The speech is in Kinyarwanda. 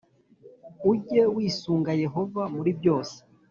uge wisunga Yehova muri byose